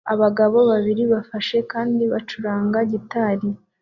Abagabo babiri bafashe kandi bacuranga gitari